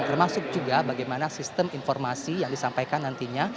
termasuk juga bagaimana sistem informasi yang disampaikan nantinya